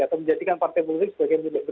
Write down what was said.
atau menjadikan partai politik sebagai milik